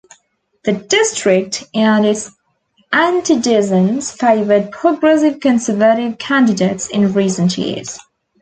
The district and its antecedents favored Progressive Conservative candidates in recent years.